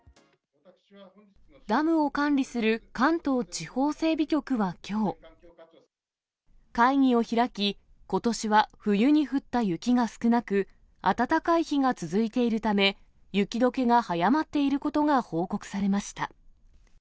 ダムを管理する関東地方整備局はきょう。会議を開き、ことしは冬に降った雪が少なく、暖かい日が続いているため、雪どけが早まっていることが報告されました。